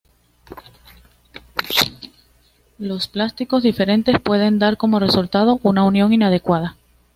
Los plásticos diferentes pueden dar como resultado una unión inadecuada.